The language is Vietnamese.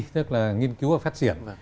tức là nghiên cứu và phát diện